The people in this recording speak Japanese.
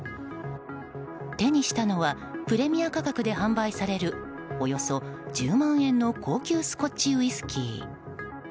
手にしたのはプレミア価格で販売されるおよそ１０万円の高級スコッチウイスキー。